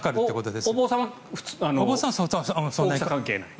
お坊さんは関係ない。